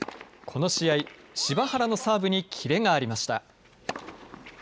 この試合、柴原のサーブにキレがありました。